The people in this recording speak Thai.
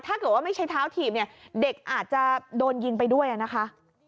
ถ้าเกิดว่าไม่ใช้เท้าถีบเนี่ยเด็กอาจจะโดนยิงไปด้วยนะคะ